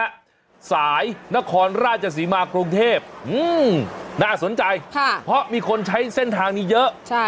สายนครราชศรีมากรุงเทพน่าสนใจเพราะมีคนใช้เส้นทางนี้เยอะ